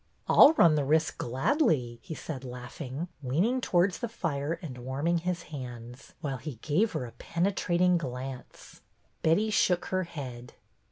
I 'll run the risk gladly," he said, laughing, leaning towards the fire and warming his hands, while he gave her a penetrating glance. Betty shook her head.